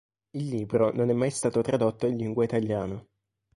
Il libro non è mai stato tradotto in lingua italiana.